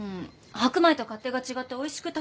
白米と勝手が違っておいしく炊けないの。